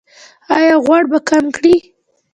ایا غوړ به کم کړئ؟